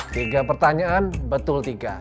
tiga pertanyaan betul tiga